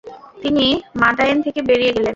তিনি মাদায়েন থেকে বেরিয়ে গেলেন।